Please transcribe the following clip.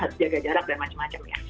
harus jaga jarak dan macam macam ya